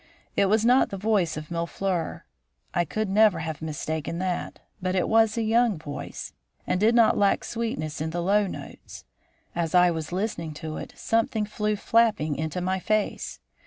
It was not the voice of Mille fleurs. I could never have mistaken that but it was a young voice, and did not lack sweetness in the low notes. As I was listening to it, something flew flapping into my face.